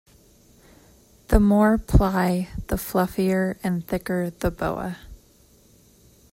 The more ply, the fluffier and thicker the boa.